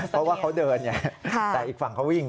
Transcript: เพราะว่าเขาเดินไงแต่อีกฝั่งเขาวิ่ง